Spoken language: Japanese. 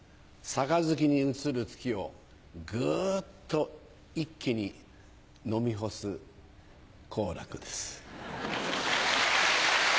杯に映る月をグっと一気に飲み干す好楽です。